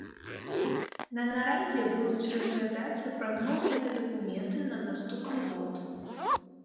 На нарадзе будуць разглядацца прагнозныя дакументы на наступны год.